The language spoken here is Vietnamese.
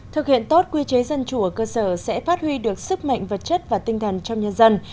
thực hiện tốt quy chế dân chủ ở cơ sở sẽ phát huy được sức mạnh vật chất và tinh thần trong nhân dân